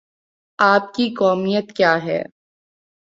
آپ کی قومیت کیا ہے؟